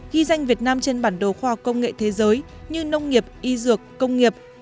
ghi danh việt nam trên bản đồ khoa học công nghệ thế giới như nông nghiệp y dược công nghiệp